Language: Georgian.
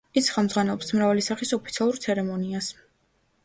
ის ხელმძღვანელობს მრავალი სახის ოფიციალურ ცერემონიას.